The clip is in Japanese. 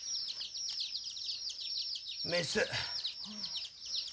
メス。